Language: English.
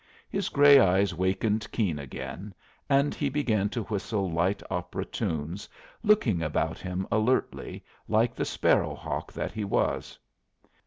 His gray eye wakened keen again, and he began to whistle light opera tunes, looking about him alertly, like the sparrow hawk that he was.